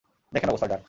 দেখেন অবস্থা, ড্রাক।